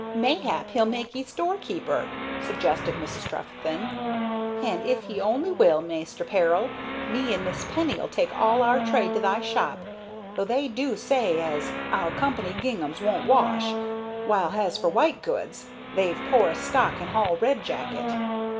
"Mayhap he'll make 'ee store keeper," suggested Mrs. Trefethen; "hand if 'e only will, Maister Peril, me and Miss Penny 'll take all our trade to thy shop, though they do say has 'ow company ginghams woan't wash, while has for white goods, they've poorest stock in hall Red Jacket.